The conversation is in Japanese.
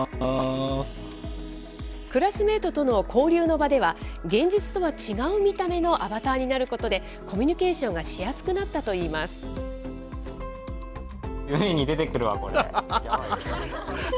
クラスメートとの交流の場では、現実とは違う見た目のアバターになることで、コミュニケーション夢に出てくるわ、これ。